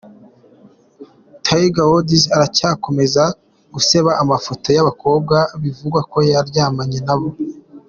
Tiger Woods aracyakomeza guseba: amafoto y'abakobwa bivugwa ko yaryamanye nabo!.